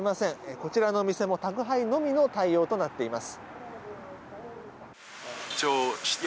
こちらのお店も宅配のみの対応となっています。